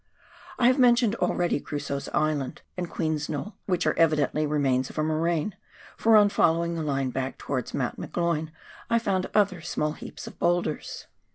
I have mentioned already Crusoe's Island and Queen's Knoll, which are evidently remains of a moraine, for on follow ing the line back towards Mount McGloin I found other small heaps of boulders.